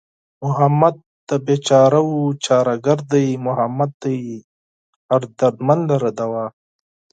محمد د بېچارهوو چاره گر دئ محمد دئ هر دردمند لره دوا